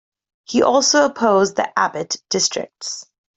He also opposed the Abbott districts.